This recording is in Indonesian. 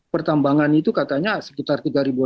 pertambangan itu katanya sekitar tiga delapan ratus